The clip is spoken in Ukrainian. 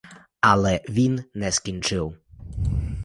Але він не скінчив.